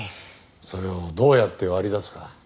それをどうやって割り出すか。